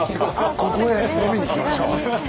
ここへ飲みに来ましょう。